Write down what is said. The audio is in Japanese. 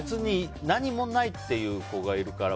何もないっていう子がいるから。